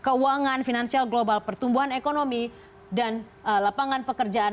keuangan finansial global pertumbuhan ekonomi dan lapangan pekerjaan